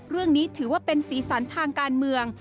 เรื่องนี้ถือว่าเป็นสีสันทางการเมือง